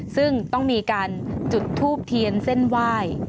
ซึ่งต้องมีการจุดทูบเทียนเส้นไหว้